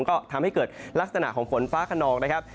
ก็ทำให้เกิดลักษณะของฝนฟ้าขนองนะครับ